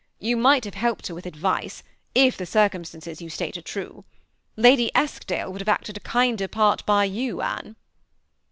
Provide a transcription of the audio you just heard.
You might have helped her with advice, if the dicomstances you state are true. Libdy Kskdale would have acted a kinder part by you, Anne."